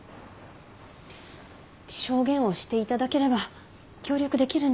証言をしていただければ協力できるんです。